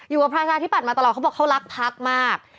อยู่กับพระชาติที่ปัดมาตลอดเค้าบอกเค้ารักพรรคมาก